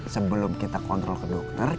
sebelum kita kontrol ke dokter